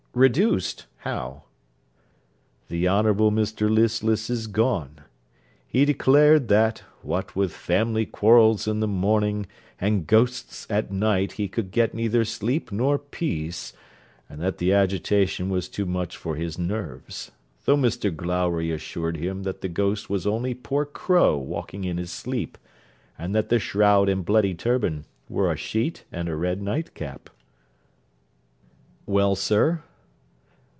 'Reduced! how?' 'The Honourable Mr Listless is gone. He declared that, what with family quarrels in the morning, and ghosts at night, he could get neither sleep nor peace; and that the agitation was too much for his nerves: though Mr Glowry assured him that the ghost was only poor Crow walking in his sleep, and that the shroud and bloody turban were a sheet and a red nightcap.' 'Well, sir?'